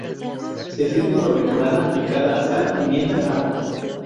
Se sirve con mejorana picada, sal, pimienta, ajo.